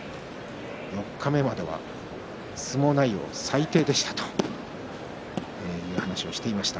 四日目までは相撲内容が最低でしたという話をしていました。